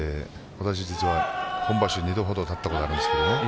私、実は本場所２度ほど立ったことがあるんです。